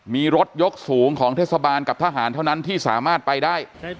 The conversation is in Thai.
มีรถยกสูงของเทศบาลกับทหารเท่านั้นที่สามารถไปได้